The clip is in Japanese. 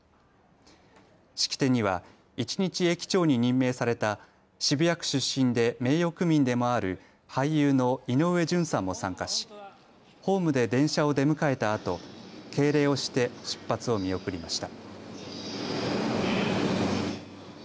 式典には一日駅長に任命された渋谷区出身で名誉区民でもある俳優の井上順さんも参加しホームで電車を出迎えたあと敬礼をして出発を見送りました。